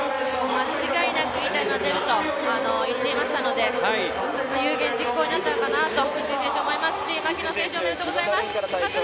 間違いなくいいタイムが出ると言っていましたので有言実行になったのかなと三井選手牧野選手、おめでとうございます。